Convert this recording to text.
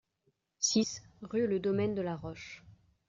six rue Le Domaine de la Roche